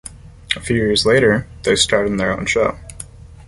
A few years later, they starred in their own show.